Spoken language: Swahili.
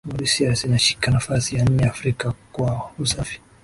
Mauritius inashika nafasi ya nne Afrika kwa usafi